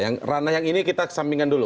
yang rana yang ini kita kesambingan dulu